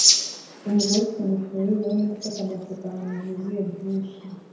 Umugore ufite ingofero yubururu arimo gufata amafoto ahantu huzuyeho brush